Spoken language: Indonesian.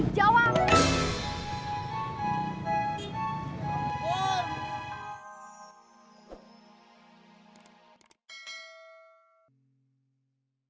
dia harus tau jauh